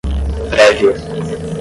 prévia